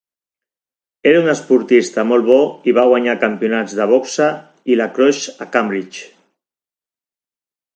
Era un esportista molt bo i va guanyar campionats de boxa i "lacrosse" a Cambridge.